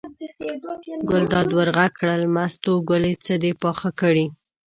ګلداد ور غږ کړل: مستو ګلې څه دې پاخه کړي.